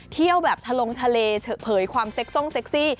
เที่ยวแบบทะลงทะเลเผยความเซ็กทรงเซ็กซี่